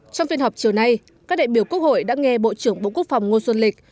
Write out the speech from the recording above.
trong phiên họp chiều nay các đại biểu quốc hội đã nghe bộ trưởng bộ quốc phòng ngô xuân lịch